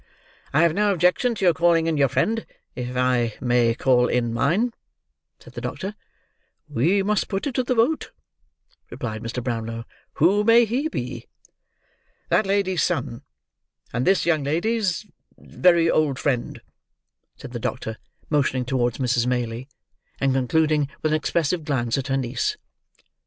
"I have no objection to your calling in your friend if I may call in mine," said the doctor. "We must put it to the vote," replied Mr. Brownlow, "who may he be?" "That lady's son, and this young lady's—very old friend," said the doctor, motioning towards Mrs. Maylie, and concluding with an expressive glance at her niece.